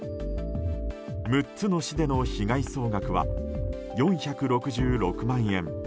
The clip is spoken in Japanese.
６つの市での被害総額は４６６万円。